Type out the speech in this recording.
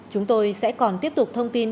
chúng tôi sẽ còn tiếp tục thông tin